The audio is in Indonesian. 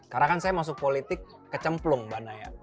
karena kan saya masuk politik kecemplung mbak naya